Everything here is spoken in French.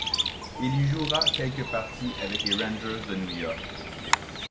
Il y jouera quelques parties avec les Rangers de New York.